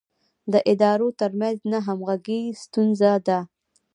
د ادارو ترمنځ نه همغږي ستونزه ده.